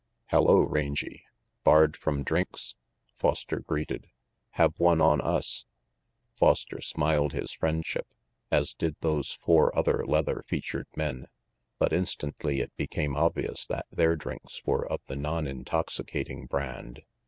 "Hello, Rangy. Barred from drinks?" Foster greeted. "Have one on us." Foster smiled his friendship, as did those four other leather featured men; but instantly it became obvious that their drinks were of the non intoxicating brand.